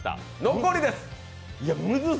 残りです。